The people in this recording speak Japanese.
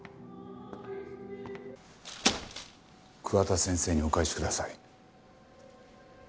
桑田先生にお返しください。